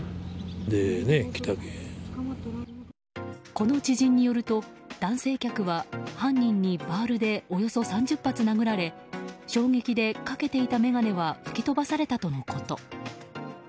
この知人によると、男性客は犯人にバールでおよそ３０発殴られ衝撃で、かけていた眼鏡は吹き飛ばされたとのこと。